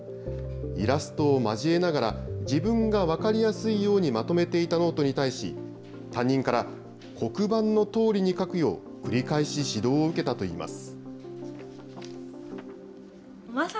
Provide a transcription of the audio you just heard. イラストを交えながら、自分が分かりやすいようにまとめていたノートに対し、担任から、黒板のとおりに書くよう、繰り返し指導を受けたといいます。